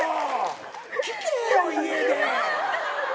聞けよ家で。